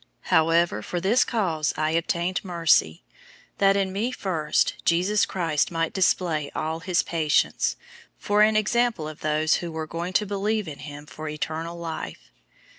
001:016 However, for this cause I obtained mercy, that in me first, Jesus Christ might display all his patience, for an example of those who were going to believe in him for eternal life.